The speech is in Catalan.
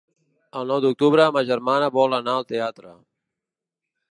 El nou d'octubre ma germana vol anar al teatre.